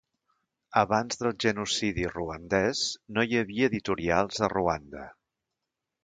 Abans del genocidi ruandès no hi havia editorials a Ruanda.